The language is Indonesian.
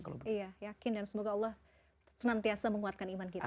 iya yakin dan semoga allah senantiasa menguatkan iman kita